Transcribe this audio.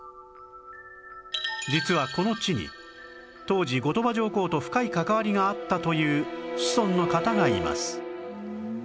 実はこの地に当時後鳥羽上皇と深い関わりがあったという子孫の方がいます